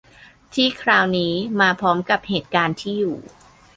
ที่คราวนี้มาพร้อมกับเหตุการณ์ที่อยู่